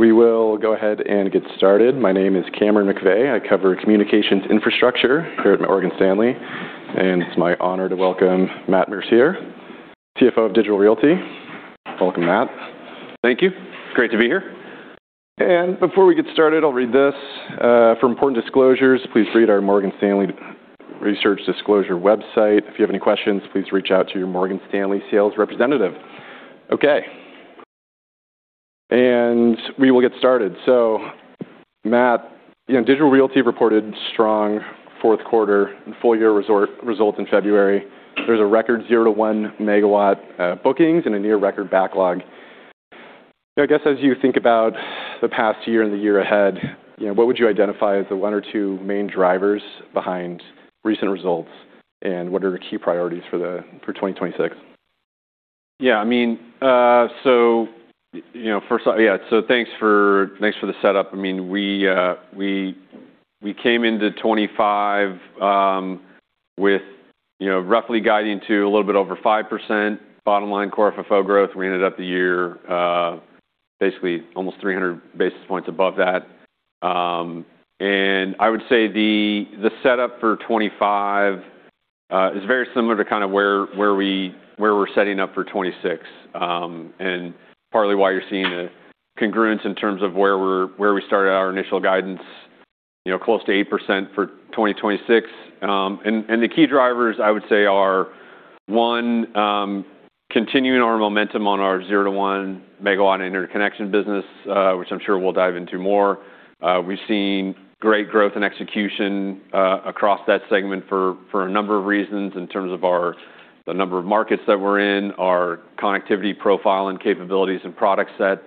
Hey. We will go ahead and get started. My name is Cameron McVeigh. I cover communications infrastructure here at Morgan Stanley, and it's my honor to welcome Matt Mercier, CFO of Digital Realty. Welcome, Matt. Thank you. Great to be here. Before we get started, I'll read this. For important disclosures, please read our Morgan Stanley Research Disclosure website. If you have any questions, please reach out to your Morgan Stanley sales representative. Okay. We will get started. Matt, you know, Digital Realty reported strong fourth quarter and full-year results in February. There's a record zero to 1 MW bookings and a near-record backlog. I guess, as you think about the past year and the year ahead, you know, what would you identify as the one or two main drivers behind recent results, and what are the key priorities for 2026? Yeah, I mean, you know, thanks for, thanks for the setup. I mean, we came into 2025, with, you know, roughly guiding to a little bit over 5% bottom-line Core FFO growth. We ended up the year, basically almost 300 basis points above that. I would say the setup for 2025 is very similar to kind of where we're setting up for 2026, partly why you're seeing a congruence in terms of where we're, where we started our initial guidance, you know, close to 8% for 2026. The key drivers I would say are, one, continuing our momentum on our zero to 1 MW interconnection business, which I'm sure we'll dive into more. We've seen great growth and execution across that segment for a number of reasons in terms of the number of markets that we're in, our connectivity profile and capabilities and product set.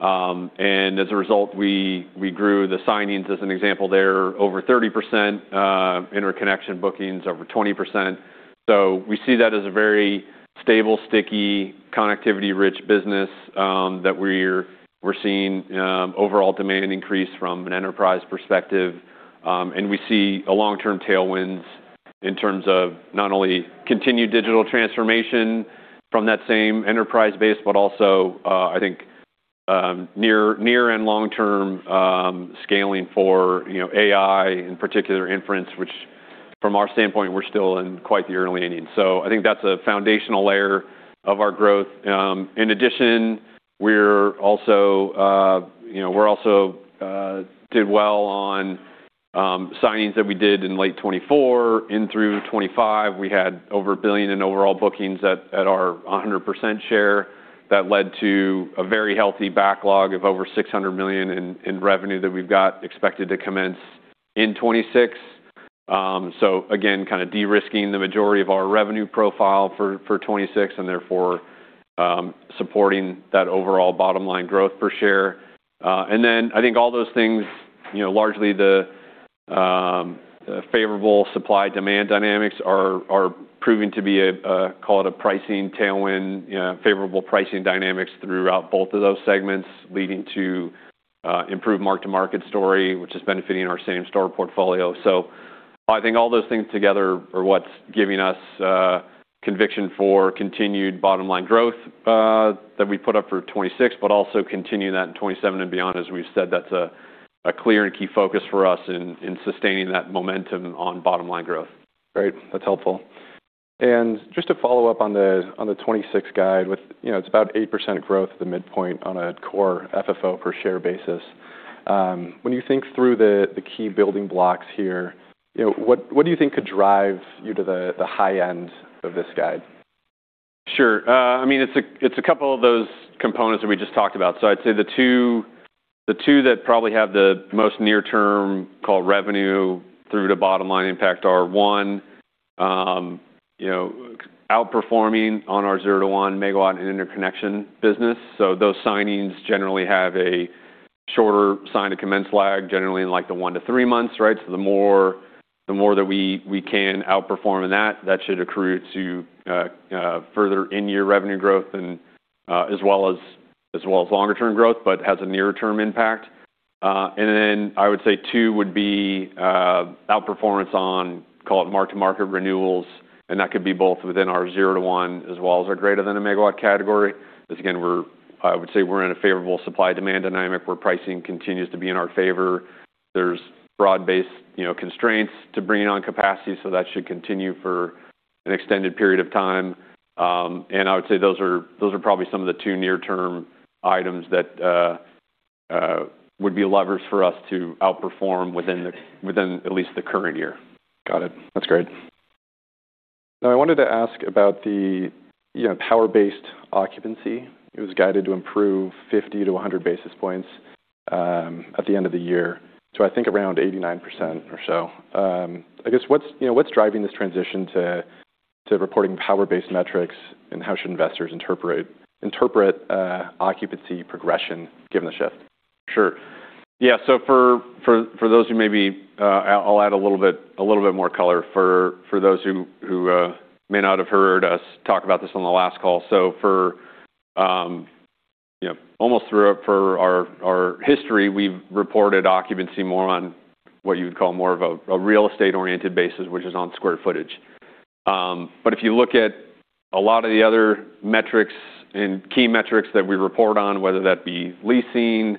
As a result, we grew the signings as an example there over 30%, interconnection bookings over 20%. We see that as a very stable, sticky, connectivity-rich business that we're seeing overall demand increase from an enterprise perspective. We see a long-term tailwinds in terms of not only continued digital transformation from that same enterprise base, but also, I think, near and long-term scaling for, you know, AI, in particular inference, which from our standpoint, we're still in quite the early innings. I think that's a foundational layer of our growth. In addition, we're also, you know, we're also, did well on signings that we did in late 2024 in through 2025. We had over $1 billion in overall bookings at our 100% share. That led to a very healthy backlog of over $600 million in revenue that we've got expected to commence in 2026. Again, kind of de-risking the majority of our revenue profile for 2026 and therefore, supporting that overall bottom line growth per share. Then I think all those things, you know, largely the favorable supply-demand dynamics are proving to be a, call it a pricing tailwind, you know, favorable pricing dynamics throughout both of those segments, leading to improved mark-to-market story, which is benefiting our same-store portfolio. I think all those things together are what's giving us conviction for continued bottom-line growth that we put up for 2026, but also continuing that in 2027 and beyond. As we've said, that's a clear and key focus for us in sustaining that momentum on bottom-line growth. Great. That's helpful. Just to follow up on the, on the 2026 guide with, you know, it's about 8% growth at the midpoint on a core FFO per share basis. When you think through the key building blocks here, you know, what do you think could drive you to the high end of this guide? Sure. I mean, it's a couple of those components that we just talked about. I'd say the two that probably have the most near-term call revenue through to bottom-line impact are, one, you know, outperforming on our zero to 1 MW in interconnection business. Those signings generally have a shorter sign-to-commence lag, generally in like the one to three months, right? The more that we can outperform in that should accrue to further in-year revenue growth and as well as longer term growth, but has a near-term impact. I would say two would be outperformance on call it mark-to-market renewals, and that could be both within our zero to one as well as our greater than a megawatt category. Again, I would say we're in a favorable supply-demand dynamic where pricing continues to be in our favor. There's broad-based, you know, constraints to bringing on capacity. That should continue for an extended period of time. I would say those are probably some of the two near-term items that would be levers for us to outperform within at least the current year. Got it. That's great. I wanted to ask about the, you know, power-based occupancy. It was guided to improve 50 to 100 basis points at the end of the year. I think around 89% or so. I guess what's, you know, what's driving this transition to reporting power-based metrics, and how should investors interpret occupancy progression given the shift? Sure. Yeah. For those. I'll add a little bit more color for those who may not have heard us talk about this on the last call. For, you know, almost throughout for our history, we've reported occupancy more on what you would call more of a real estate-oriented basis, which is on square footage. If you look at a lot of the other metrics and key metrics that we report on, whether that be leasing,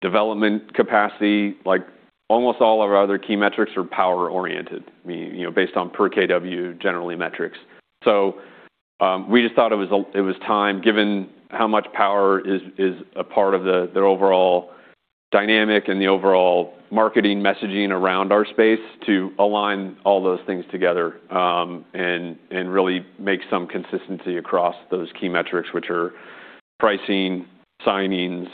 development capacity, like almost all of our other key metrics are power-oriented, you know, based on per kW generally metrics. We just thought it was time, given how much power is a part of the overall dynamic and the overall marketing messaging around our space to align all those things together and really make some consistency across those key metrics, which are pricing, signings,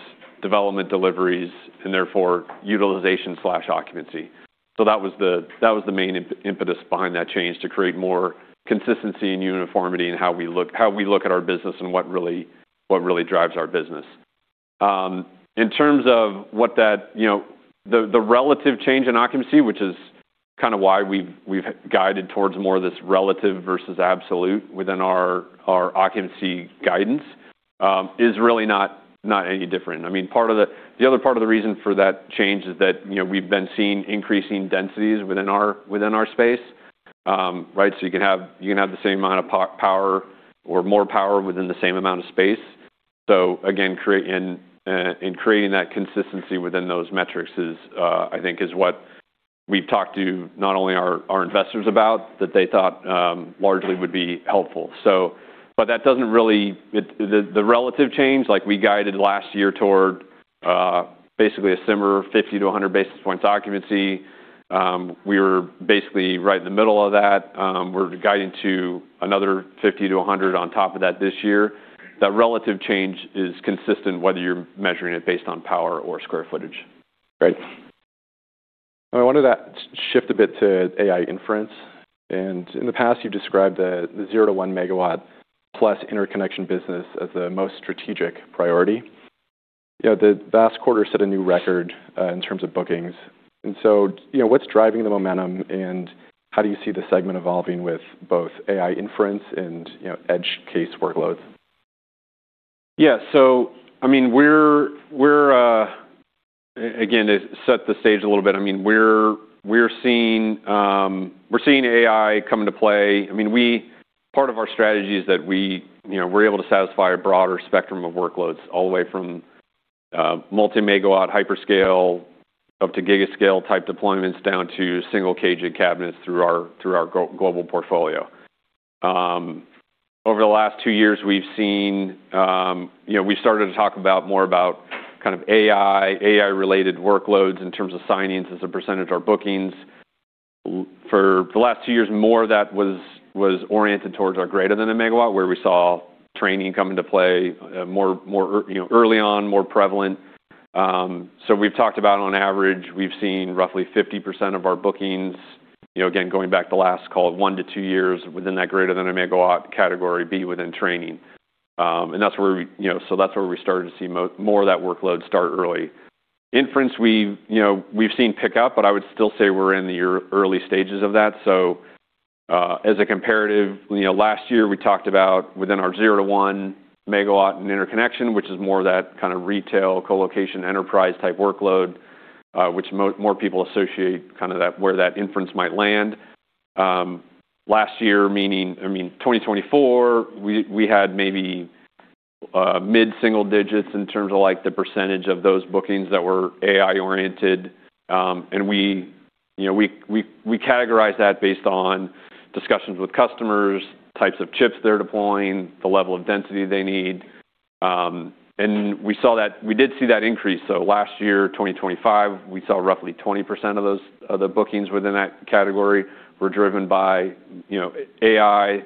development deliveries, and therefore utilization/occupancy. That was the main impetus behind that change to create more consistency and uniformity in how we look at our business and what really drives our business. In terms of what that, you know, the relative change in occupancy, which is kind of why we've guided towards more of this relative versus absolute within our occupancy guidance, is really not any different. I mean, part of the... The other part of the reason for that change is that, you know, we've been seeing increasing densities within our space. Right? You can have the same amount of power or more power within the same amount of space. Again, in creating that consistency within those metrics is, I think is what we've talked to not only our investors about that they thought, largely would be helpful. That doesn't really. The relative change, like we guided last year toward, basically a similar 50 to 100 basis points occupancy. We were basically right in the middle of that. We're guiding to another 50 to 100 on top of that this year. That relative change is consistent whether you're measuring it based on power or square footage. Great. I wonder that shift a bit to AI inference. In the past, you've described the zero to 1 MW-plus interconnection business as the most strategic priority. You know, the last quarter set a new record in terms of bookings. So, you know, what's driving the momentum, and how do you see the segment evolving with both AI inference and, you know, edge case workloads? Yeah. I mean, we're again, to set the stage a little bit, I mean, we're seeing, we're seeing AI come into play. I mean, part of our strategy is that we, you know, we're able to satisfy a broader spectrum of workloads all the way from multi-megawatt hyperscale up to giga scale type deployments, down to single cage and cabinets through our, through our go-global portfolio. Over the last two years, we've seen, you know, we started to talk about more about kind of AI related workloads in terms of signings as a percent of our bookings. For the last two years, more of that was oriented towards our greater than a megawatt, where we saw training come into play, more, you know, early on, more prevalent. We've talked about, on average, we've seen roughly 50% of our bookings, you know, again, going back to last call, one to two years within that greater than a megawatt category be within training. And that's where we, you know, so that's where we started to see more of that workload start early. Inference, we've, you know, we've seen pick up, but I would still say we're in the early stages of that. As a comparative, you know, last year we talked about within our zero to 1 MW and interconnection, which is more that kind of retail colocation enterprise type workload, which more people associate kind of that, where that inference might land. Last year, meaning, I mean, 2024, we had maybe mid-single digits in terms of like the percentage of those bookings that were AI oriented. We, you know, we categorize that based on discussions with customers, types of chips they're deploying, the level of density they need. We did see that increase. Last year, 2025, we saw roughly 20% of those, of the bookings within that category were driven by, you know, AI,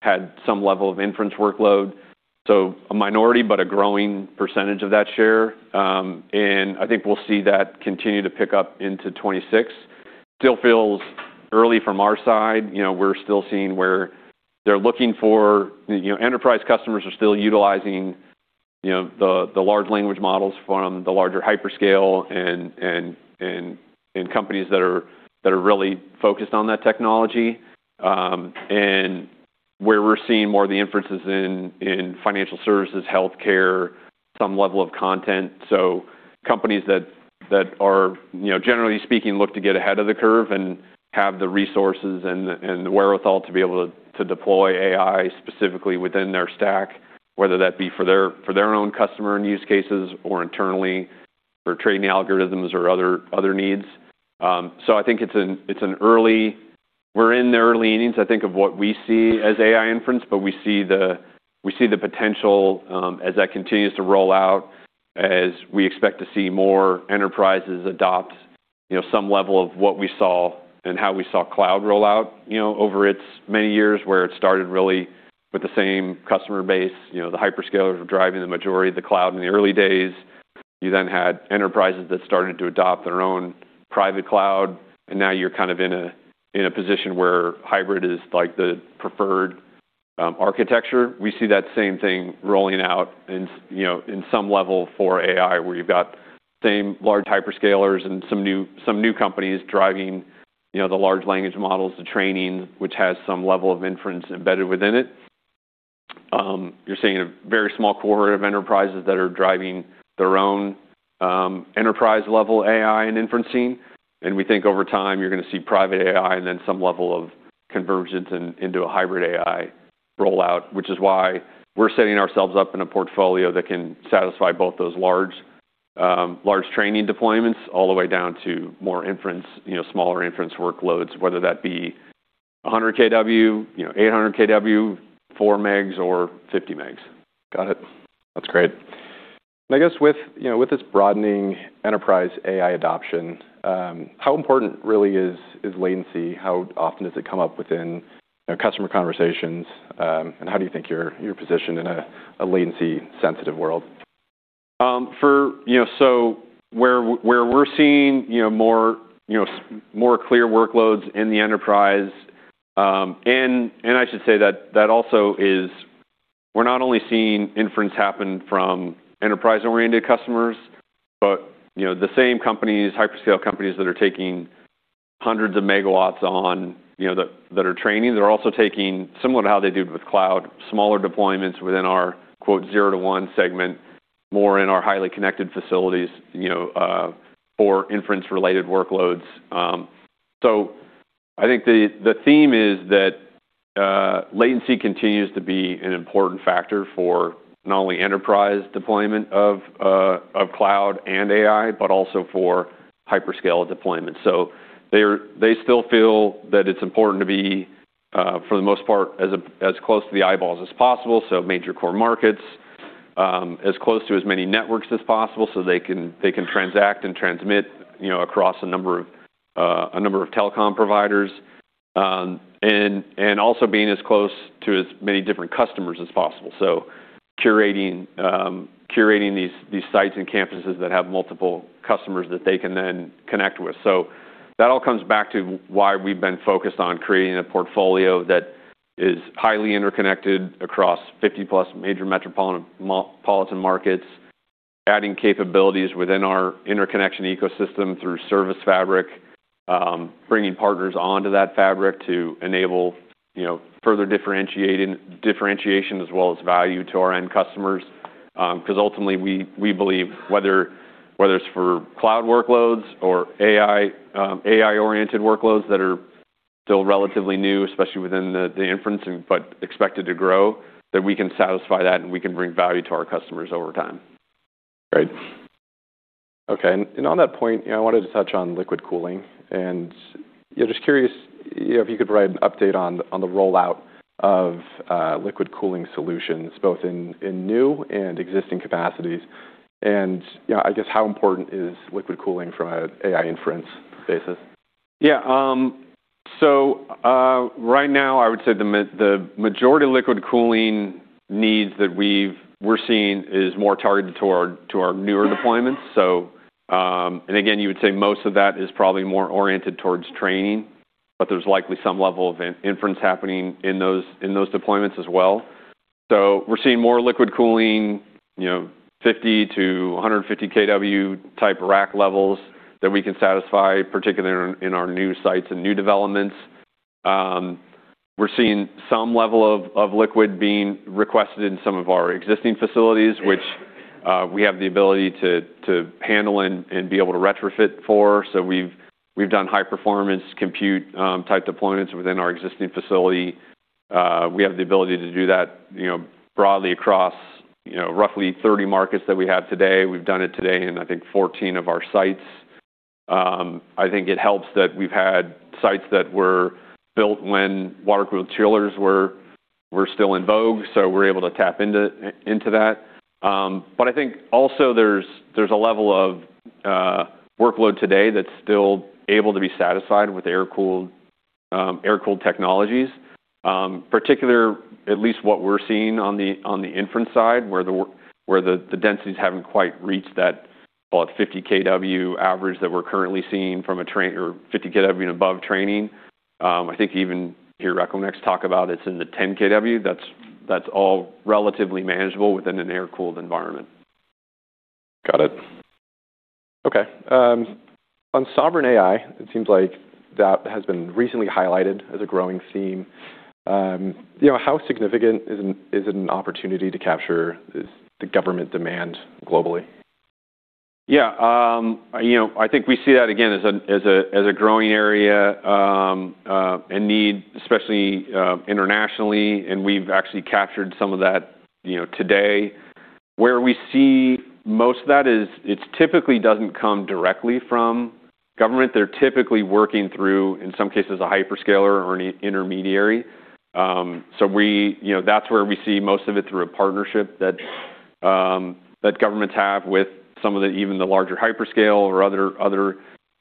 had some level of inference workload. A minority, but a growing percentage of that share. I think we'll see that continue to pick up into 2026. Still feels early from our side. You know, we're still seeing where they're looking for, you know, enterprise customers are still utilizing, you know, the large language models from the larger hyperscale and companies that are really focused on that technology. Where we're seeing more of the inferences in financial services, healthcare, some level of content. Companies that are, you know, generally speaking, look to get ahead of the curve and have the resources and the wherewithal to be able to deploy AI specifically within their stack, whether that be for their own customer and use cases or internally for trading algorithms or other needs. I think it's an early... We're in the early innings, I think, of what we see as AI inference, but we see the potential, as that continues to roll out, as we expect to see more enterprises adopt, you know, some level of what we saw and how we saw cloud roll out, you know, over its many years, where it started really with the same customer base. The hyperscalers were driving the majority of the cloud in the early days. You then had enterprises that started to adopt their own private cloud, and now you're kind of in a position where hybrid is like the preferred architecture. We see that same thing rolling out in, you know, in some level for AI, where you've got same large hyperscalers and some new companies driving, you know, the large language models, the training, which has some level of inference embedded within it. You're seeing a very small cohort of enterprises that are driving their own enterprise-level AI and inferencing. We think over time you're gonna see private AI and then some level of convergence into a hybrid AI rollout, which is why we're setting ourselves up in a portfolio that can satisfy both those large training deployments all the way down to more inference, you know, smaller inference workloads, whether that be 100 kW, you know, 800 kW, 4 MW or 50 MW. Got it. That's great. I guess with, you know, with this broadening enterprise AI adoption, how important really is latency? How often does it come up within, you know, customer conversations? How do you think you're positioned in a latency sensitive world? For, you know, where we're seeing, you know, more, you know, more clear workloads in the enterprise, and I should say that that also is we're not only seeing inference happen from enterprise-oriented customers, but, you know, the same companies, hyperscale companies that are taking hundreds of megawatts on, you know, that are training. They're also taking similar to how they did with cloud, smaller deployments within our quote zero to one segment, more in our highly connected facilities, you know, for inference related workloads. I think the theme is that latency continues to be an important factor for not only enterprise deployment of cloud and AI, but also for hyperscale deployment. They still feel that it's important to be for the most part, as close to the eyeballs as possible. Major core markets, as close to as many networks as possible so they can transact and transmit, you know, across a number of telecom providers. And also being as close to as many different customers as possible. Curating these sites and campuses that have multiple customers that they can then connect with. That all comes back to why we've been focused on creating a portfolio that is highly interconnected across 50+ major metropolitan markets, adding capabilities within our interconnection ecosystem through ServiceFabric, bringing partners onto that fabric to enable, you know, further differentiation as well as value to our end customers. 'Cause ultimately we believe whether it's for cloud workloads or AI oriented workloads that are still relatively new, especially within the inference and, but expected to grow, that we can satisfy that, and we can bring value to our customers over time. Great. Okay. On that point, you know, I wanted to touch on liquid cooling, and, you know, just curious, you know, if you could provide an update on the rollout of liquid cooling solutions both in new and existing capacities, and, you know, I guess how important is liquid cooling from a AI inference basis? Right now, I would say the majority of liquid cooling needs that we're seeing is more targeted to our newer deployments. Again, you would say most of that is probably more oriented towards training, but there's likely some level of inference happening in those deployments as well. We're seeing more liquid cooling, you know, 50 kW to 150 kW type rack levels that we can satisfy, particularly in our new sites and new developments. We're seeing some level of liquid being requested in some of our existing facilities, which we have the ability to handle and be able to retrofit for. We've done high-performance compute type deployments within our existing facility. We have the ability to do that, you know, broadly across, you know, roughly 30 markets that we have today. We've done it today in, I think, 14 of our sites. I think it helps that we've had sites that were built when water-cooled chillers were still in vogue, so we're able to tap into that. But I think also there's a level of workload today that's still able to be satisfied with air-cooled, air-cooled technologies. Particular, at least what we're seeing on the inference side, where the densities haven't quite reached that, well, at 50 kW average that we're currently seeing from a 50 kW and above training. I think even hear Equinix talk about it's in the 10 kW. That's all relatively manageable within an air-cooled environment. Got it. Okay. On sovereign AI, it seems like that has been recently highlighted as a growing theme. You know, how significant is an opportunity to capture this, the government demand globally? Yeah. You know, I think we see that again as a, as a, as a growing area, and need especially, internationally, and we've actually captured some of that, you know, today. Where we see most of that is it's typically doesn't come directly from government. They're typically working through, in some cases, a hyperscaler or an intermediary. We, you know, that's where we see most of it through a partnership that governments have with some of the even the larger hyperscale or other,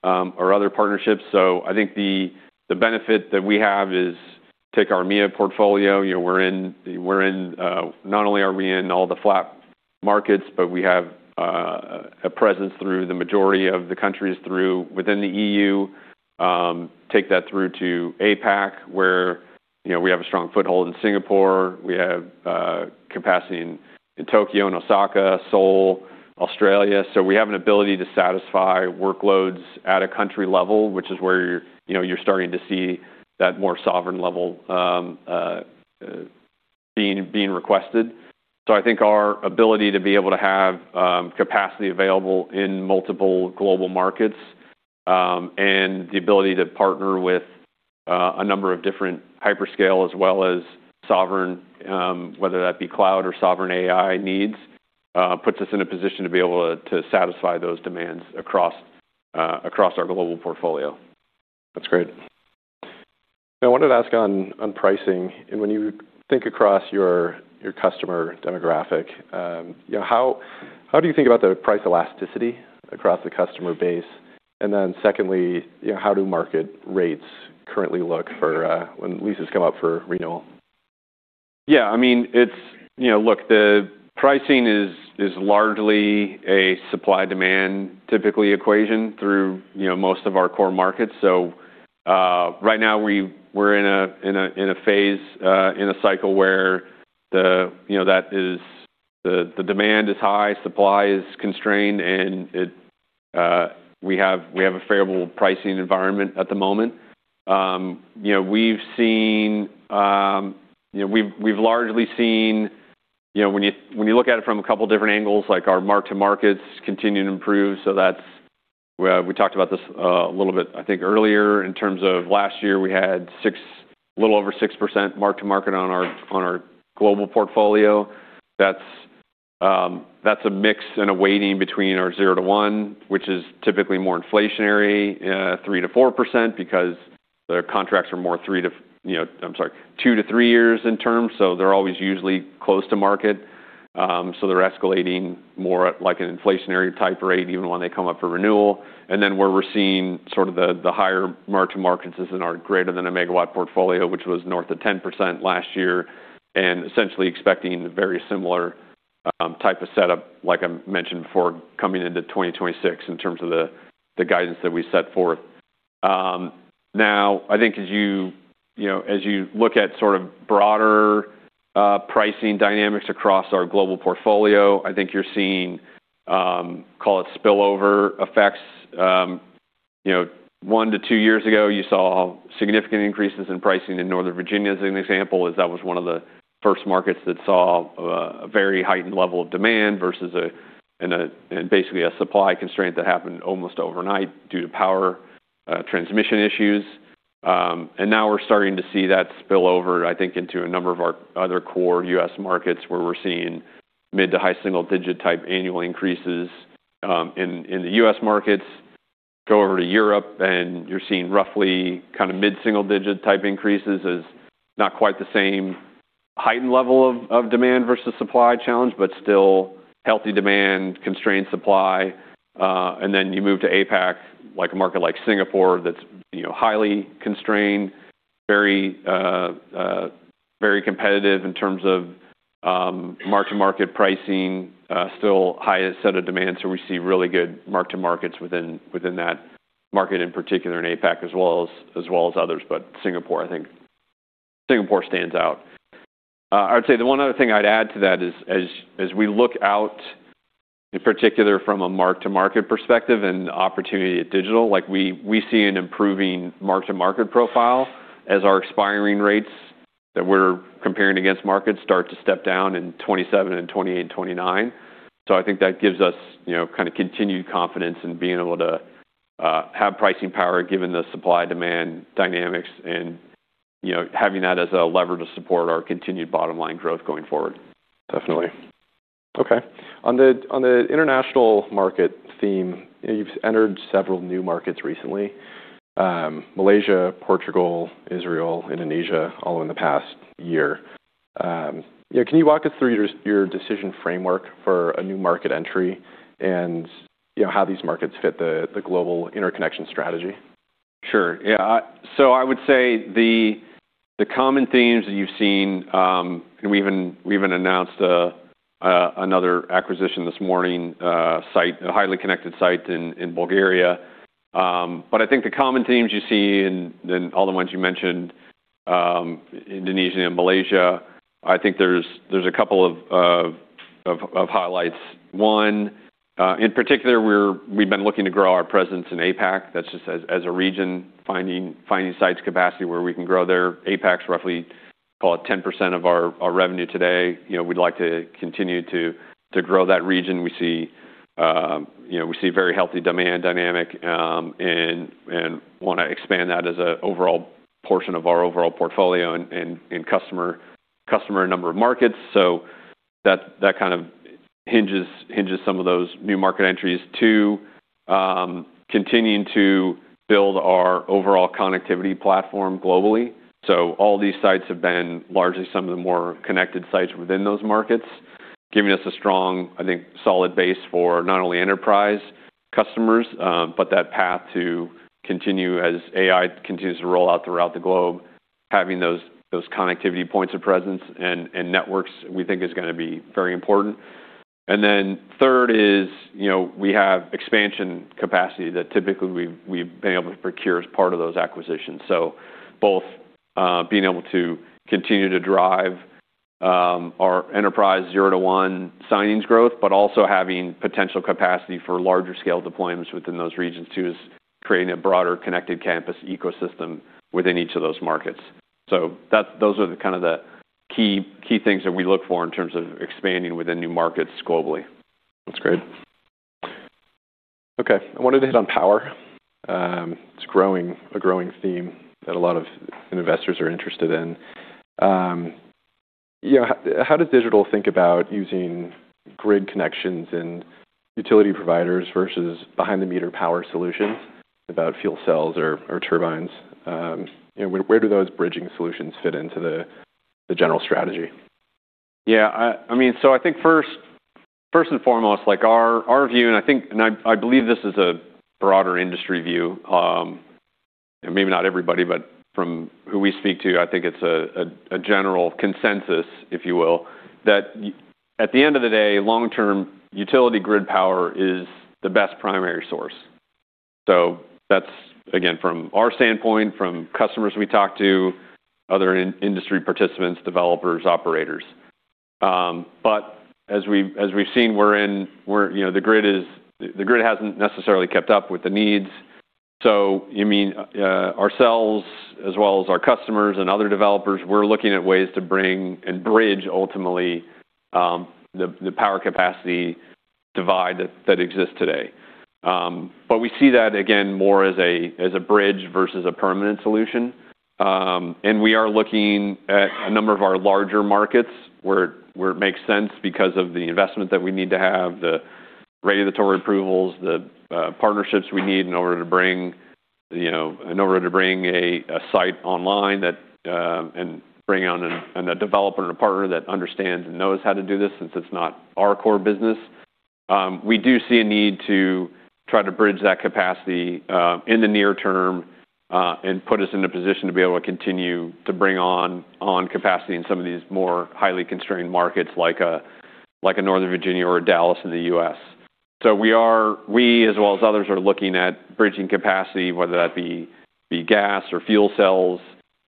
or other partnerships. I think the benefit that we have is take our MIA portfolio. You know, we're in, we're in, not only are we in all the FLAP markets, but we have, a presence through the majority of the countries through within the EU. Take that through to APAC, where, you know, we have a strong foothold in Singapore. We have capacity in Tokyo and Osaka, Seoul, Australia. We have an ability to satisfy workloads at a country level, which is where, you know, you're starting to see that more sovereign level being requested. I think our ability to be able to have capacity available in multiple global markets, and the ability to partner with a number of different hyperscale as well as sovereign, whether that be cloud or sovereign AI needs, puts us in a position to be able to satisfy those demands across our global portfolio. That's great. I wanted to ask on pricing. When you think across your customer demographic, you know, how do you think about the price elasticity across the customer base? Secondly, you know, how do market rates currently look for when leases come up for renewal? Yeah, I mean, it's, you know, look, the pricing is largely a supply-demand typically equation through, you know, most of our core markets. Right now we're in a phase in a cycle where the, you know, that is the demand is high, supply is constrained, and it, we have a favorable pricing environment at the moment. You know, we've seen, you know, we've largely seen, you know, when you, when you look at it from a couple different angles, like our mark-to-markets continue to improve, so that's, we talked about this a little bit, I think, earlier in terms of last year we had a little over 6% mark-to-market on our global portfolio. That's a mix and a weighting between our zero to one, which is typically more inflationary, 3%-4% because their contracts are more two to three years in terms, so they're always usually close to market. They're escalating more at like an inflationary type rate even when they come up for renewal. Where we're seeing sort of the higher mark-to-markets is in our greater than a megawatt portfolio, which was north of 10% last year, and essentially expecting very similar type of setup, like I mentioned before, coming into 2026 in terms of the guidance that we set forth. Now I think as you know, as you look at sort of broader pricing dynamics across our global portfolio, I think you're seeing, call it spillover effects. You know, one to two years ago, you saw significant increases in pricing in Northern Virginia as an example, as that was one of the first markets that saw a very heightened level of demand versus in basically a supply constraint that happened almost overnight due to power transmission issues. Now we're starting to see that spillover, I think, into a number of our other core U.S. markets, where we're seeing mid to high single-digit type annual increases in the U.S. markets. Go over to Europe, you're seeing roughly kind of mid single-digit type increases as not quite the same heightened level of demand versus supply challenge, but still healthy demand, constrained supply. Then you move to APAC, like a market like Singapore, that's, you know, highly constrained, very competitive in terms of mark-to-market pricing, still highest set of demand, so we see really good mark-to-markets within that market in particular in APAC as well as others. Singapore, I think Singapore stands out. I would say the one other thing I'd add to that is as we look out, in particular from a mark-to-market perspective and opportunity at Digital Realty, like we see an improving mark-to-market profile as our expiring rates that we're comparing against markets start to step down in 2027 and 2028, 2029. I think that gives us, you know, kind of continued confidence in being able to have pricing power given the supply-demand dynamics and, you know, having that as a lever to support our continued bottom-line growth going forward. Definitely. Okay. On the international market theme, you've entered several new markets recently, Malaysia, Portugal, Israel, Indonesia, all in the past year. You know, can you walk us through your decision framework for a new market entry and, you know, how these markets fit the global interconnection strategy? Sure. Yeah. I would say the common themes that you've seen, and we even announced another acquisition this morning, a site, a highly connected site in Bulgaria. I think the common themes you see in the all the ones you mentioned, Indonesia and Malaysia, I think there's a couple of highlights. One, in particular, we've been looking to grow our presence in APAC. That's just as a region, finding sites capacity where we can grow there. APAC's roughly, call it 10% of our revenue today. You know, we'd like to continue to grow that region. We see, you know, we see very healthy demand dynamic, and wanna expand that as a overall portion of our overall portfolio and customer number of markets. That kind of hinges some of those new market entries. Two, continuing to build our overall connectivity platform globally. All these sites have been largely some of the more connected sites within those markets, giving us a strong, I think, solid base for not only enterprise customers, but that path to continue as AI continues to roll out throughout the globe, having those connectivity points of presence and networks, we think is gonna be very important. Third is, you know, we have expansion capacity that typically we've been able to procure as part of those acquisitions. Being able to continue to drive our enterprise zero to one signings growth, but also having potential capacity for larger scale deployments within those regions too is creating a broader connected campus ecosystem within each of those markets. Those are the kind of the key things that we look for in terms of expanding within new markets globally. That's great. Okay, I wanted to hit on power. It's growing, a growing theme that a lot of investors are interested in. You know, how does Digital think about using grid connections and utility providers versus behind-the-meter power solutions about fuel cells or turbines? You know, where do those bridging solutions fit into the general strategy? I mean, I think first and foremost, like our view, and I think, and I believe this is a broader industry view, and maybe not everybody, but from who we speak to, I think it's a general consensus, if you will, that at the end of the day, long-term utility grid power is the best primary source. That's again, from our standpoint, from customers we talk to, other in-industry participants, developers, operators. As we've seen we're, you know, the grid is. The grid hasn't necessarily kept up with the needs. You mean, ourselves as well as our customers and other developers, we're looking at ways to bring and bridge ultimately, the power capacity divide that exists today. We see that again, more as a, as a bridge versus a permanent solution. We are looking at a number of our larger markets where it makes sense because of the investment that we need to have, the regulatory approvals, the partnerships we need in order to bring, you know, in order to bring a site online that and a developer and a partner that understands and knows how to do this since it's not our core business. We do see a need to try to bridge that capacity in the near term and put us in a position to be able to continue to bring on capacity in some of these more highly constrained markets like a Northern Virginia or a Dallas in the U.S. We, as well as others, are looking at bridging capacity, whether that be gas or fuel cells,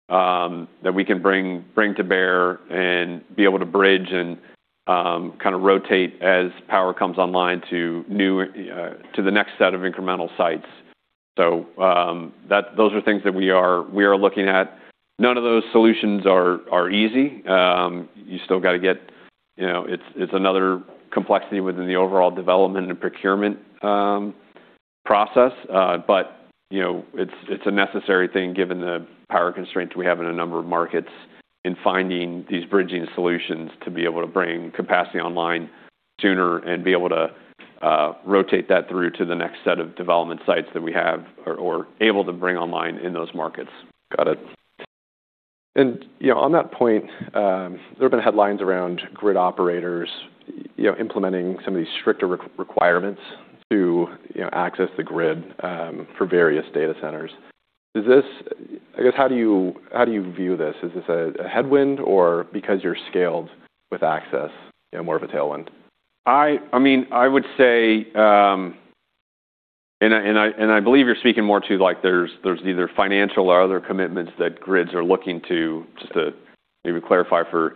that we can bring to bear and be able to bridge and kind of rotate as power comes online to new to the next set of incremental sites. Those are things that we are looking at. None of those solutions are easy. You still gotta get, you know, it's another complexity within the overall development and procurement process. You know, it's a necessary thing given the power constraints we have in a number of markets in finding these bridging solutions to be able to bring capacity online sooner and be able to rotate that through to the next set of development sites that we have or able to bring online in those markets. Got it. You know, on that point, there have been headlines around grid operators, you know, implementing some of these stricter requirements to, you know, access the grid, for various data centers. I guess, how do you view this? Is this a headwind or because you're scaled with access, you know, more of a tailwind? I mean, I would say. I believe you're speaking more to like, there's either financial or other commitments that grids are looking to, just to maybe clarify for,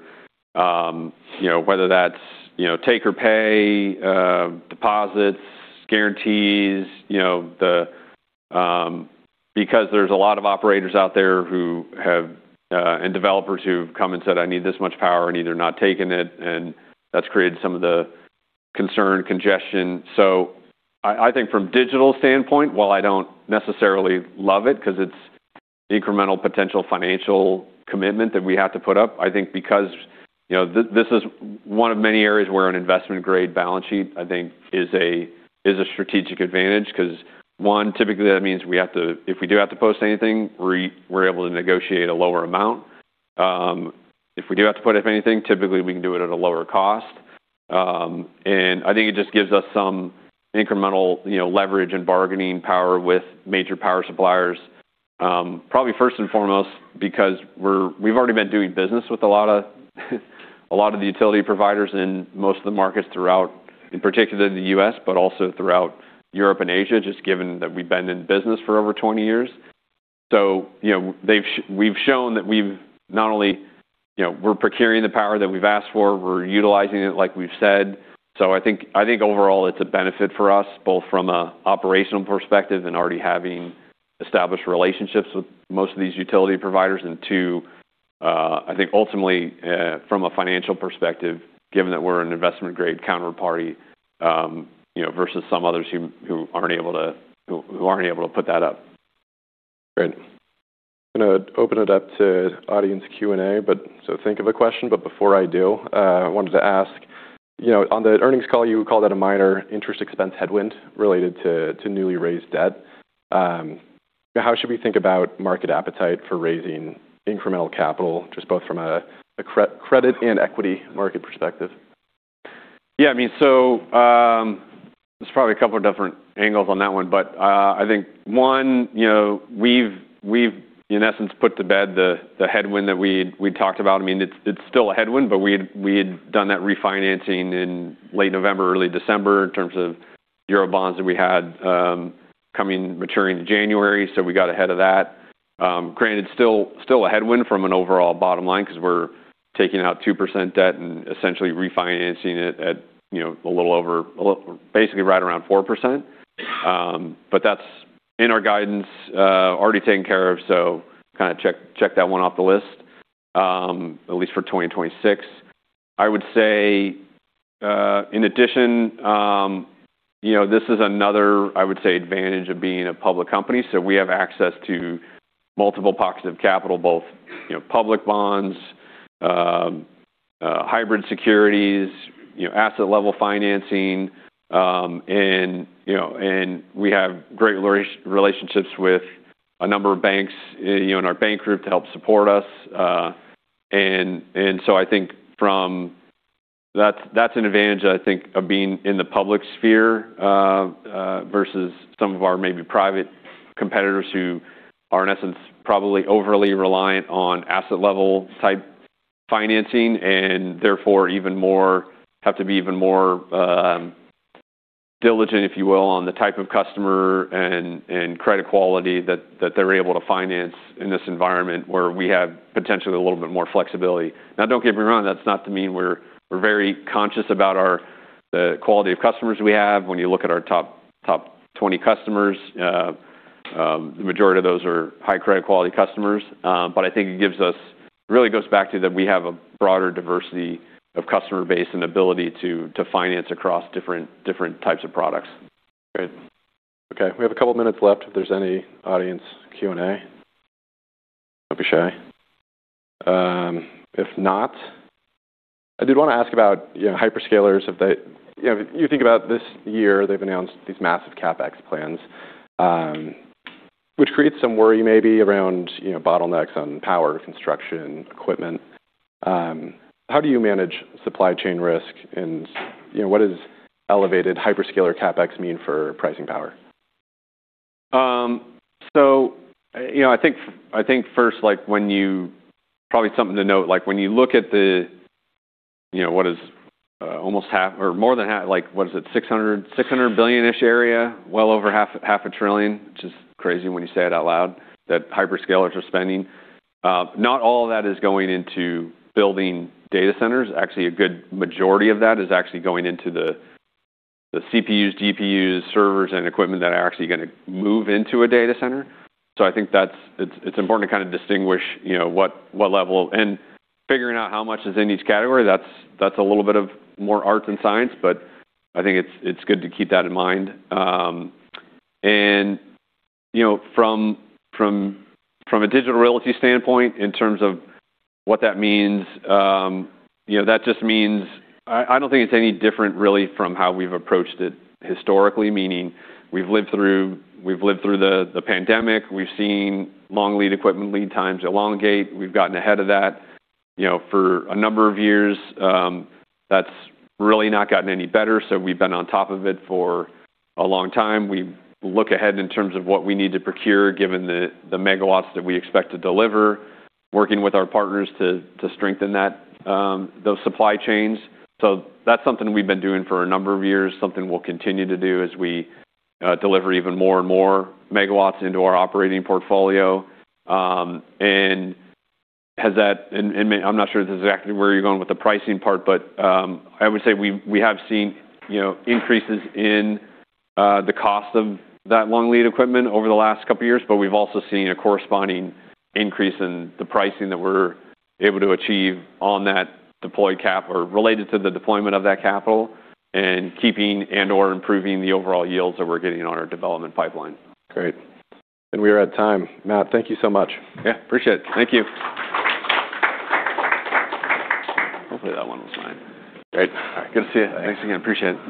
you know, whether that's, you know, take-or-pay, deposits, guarantees, you know, the. There's a lot of operators out there who have and developers who've come and said, "I need this much power," and either not taken it, and that's created some of the concern, congestion. I think from Digital's standpoint, while I don't necessarily love it 'cause it's incremental potential financial commitment that we have to put up, I think because, you know, this is one of many areas where an investment grade balance sheet, I think is a strategic advantage. One, typically that means we have to. If we do have to post anything, we're able to negotiate a lower amount. If we do have to put up anything, typically we can do it at a lower cost. I think it just gives us some incremental, you know, leverage and bargaining power with major power suppliers. Probably first and foremost, because we've already been doing business with a lot of the utility providers in most of the markets throughout, in particular in the U.S., but also throughout Europe and Asia, just given that we've been in business for over 20 years. You know, we've shown that we've not only, you know, we're procuring the power that we've asked for, we're utilizing it like we've said. I think overall it's a benefit for us both from a operational perspective and already having established relationships with most of these utility providers. Two, I think ultimately, from a financial perspective, given that we're an investment grade counterparty, you know, versus some others who aren't able to put that up. Great. I'm gonna open it up to audience Q&A, think of a question. Before I do, I wanted to ask, you know, on the earnings call, you called out a minor interest expense headwind related to newly raised debt. How should we think about market appetite for raising incremental capital, just both from a credit and equity market perspective? Yeah, I mean, there's probably a couple of different angles on that one. I think one, you know, we've in essence, put to bed the headwind that we talked about. I mean, it's still a headwind, but we had done that refinancing in late November, early December in terms of Eurobonds that we had coming maturing in January, so we got ahead of that. Granted, still a headwind from an overall bottom line because we're taking out 2% debt and essentially refinancing it at, you know, a little over... Basically right around 4%. That's in our guidance, already taken care of, so kind of check that one off the list, at least for 2026. I would say, in addition, you know, this is another, I would say, advantage of being a public company. We have access to multiple pockets of capital, both, you know, public bonds, hybrid securities, you know, asset-level financing. And you know, we have great leverage relationships with a number of banks, you know, in our bank group to help support us. And so I think that's an advantage, I think, of being in the public sphere, versus some of our maybe private competitors who are, in essence, probably overly reliant on asset-level type financing and therefore even more diligent, if you will, on the type of customer and credit quality that they're able to finance in this environment where we have potentially a little bit more flexibility. Don't get me wrong. That's not to mean we're very conscious about our, the quality of customers we have. When you look at our top 20 customers, the majority of those are high credit quality customers. I think it gives us. It really goes back to that we have a broader diversity of customer base and ability to finance across different types of products. Great. Okay, we have a couple minutes left if there's any audience Q&A. Don't be shy. If not, I did want to ask about, you know, hyperscalers. If they, you know, you think about this year, they've announced these massive CapEx plans, which creates some worry maybe around, you know, bottlenecks on power construction equipment. How do you manage supply chain risk and, you know, what does elevated hyperscaler CapEx mean for pricing power? You know, I think, I think first, like, when you probably something to note, like, when you look at the, you know, what is almost half or more than half, like, what is it, $600 billion-ish area, well over half a trillion, which is crazy when you say it out loud, that hyperscalers are spending. Not all of that is going into building data centers. Actually, a good majority of that is actually going into the CPUs, GPUs, servers, and equipment that are actually gonna move into a data center. I think it's important to kind of distinguish, you know, what level. Figuring out how much is in each category, that's a little bit of more art than science, but I think it's good to keep that in mind. You know, from a Digital Realty standpoint, in terms of what that means, you know, that just means. I don't think it's any different really from how we've approached it historically, meaning we've lived through the pandemic. We've seen long lead equipment lead times elongate. We've gotten ahead of that. You know, for a number of years, that's really not gotten any better, so we've been on top of it for a long time. We look ahead in terms of what we need to procure given the megawatts that we expect to deliver, working with our partners to strengthen that, those supply chains. That's something we've been doing for a number of years, something we'll continue to do as we deliver even more and more megawatts into our operating portfolio. Has that... I'm not sure if this is exactly where you're going with the pricing part, but I would say we have seen, you know, increases in the cost of that long lead equipment over the last couple years, but we've also seen a corresponding increase in the pricing that we're able to achieve on that deployed cap or related to the deployment of that capital and keeping and/or improving the overall yields that we're getting on our development pipeline. Great. We are at time. Matt, thank you so much. Yeah, appreciate it. Thank you. Hopefully that one was fine. Great. All right. Good to see you. Thanks. Thanks again. Appreciate it.